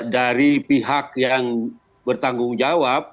dari pihak yang bertanggung jawab